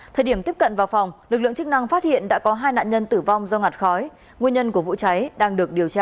thời điểm tiếp cận vào phòng lực lượng chức năng phát hiện đã có hai nạn nhân tử vong do ngặt khói nguyên nhân của vụ cháy đang được điều tra